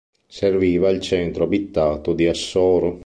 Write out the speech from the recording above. Serviva il centro abitato di Assoro.